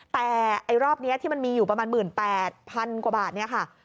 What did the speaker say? แต่ไอรอบเนี้ยที่มันมีอยู่ประมาณหมื่นแปดพันกว่าบาทเนี้ยค่ะ